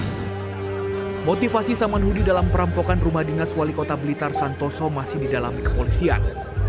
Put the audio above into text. aktivasi samanhudi dalam perampokan rumah dinas wali kota blitar santoso masih didalami kepolisian